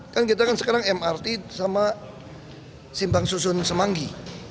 kan kita kan sekarang mrt sama simpang susun semanggi